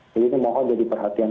jadi ini mohon jadi perhatian